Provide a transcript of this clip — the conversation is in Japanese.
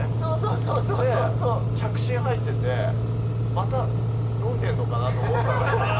で着信入っててまた飲んでんのかなと思ったの。